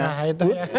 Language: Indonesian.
nah itu ya